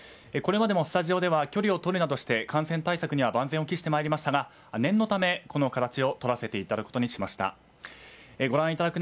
これまでもスタジオでは距離をとるなどして感染対策には万全を期してまいりましたが念のため、この形を取らせていただくことにしました。